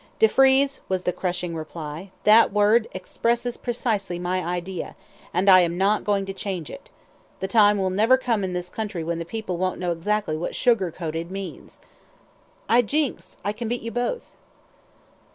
"Defrees," was the crushing reply, "that word expresses precisely my idea, and I am not going to change it. The time will never come in this country when the people won't know exactly what 'sugar coated' means!" "'I JINKS! I CAN BEAT YOU BOTH!"